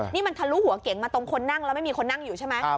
นี่มันทะลุหัวเก๋งมาตรงคนนั่งแล้วไม่มีคนนั่งอยู่ใช่ไหม